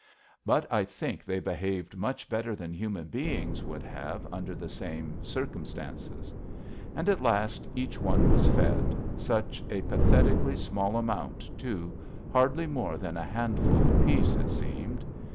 But I think they behaved much better than human beings would have under the same circumstances. And at last each was being fed such a pathetically small amount, too, hardly more than a handful apiece, it seemed.